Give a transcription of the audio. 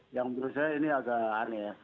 yang menurut saya ini agak aneh ya